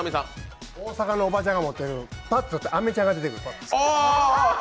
大阪のおばちゃんが持ってるバッグからあめちゃんが出てくる。